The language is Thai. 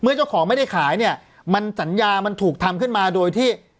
เจ้าของไม่ได้ขายเนี่ยมันสัญญามันถูกทำขึ้นมาโดยที่